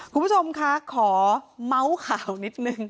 คุณผู้ชมคะขอเมาส์ข่าวนิดนึง